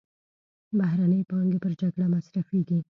بهرنۍ پانګې پر جګړه مصرفېږي.